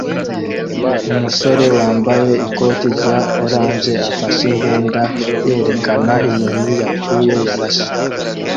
Umusore wambaye ikoti rya orange afashe imbunda yerekana inyoni yapfuye yarashe